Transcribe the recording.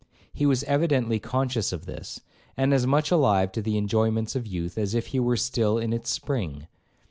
He was evidently conscious of this, and as much alive to the enjoyments of youth, as if he were still in its spring.